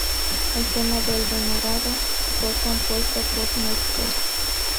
El tema de El Renegado fue compuesto por Mike Post.